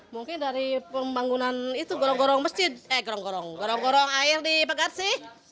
mungkin dari pembangunan itu gorong gorong air di pagarsi